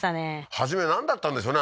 初めなんだったんでしょうね